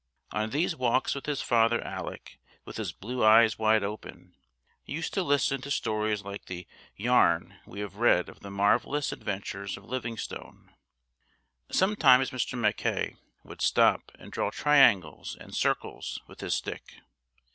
On these walks with his father Alec, with his blue eyes wide open, used to listen to stories like the Yarn we have read of the marvellous adventures of Livingstone. Sometimes Mr. Mackay would stop and draw triangles and circles with his stick.